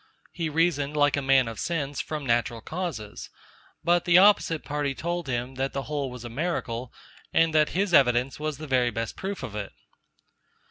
He reasoned, like a man of sense, from natural causes; but the opposite party told him, that the whole was a miracle, and that his evidence was the very best proof of it.